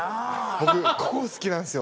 僕ここが好きなんすよ。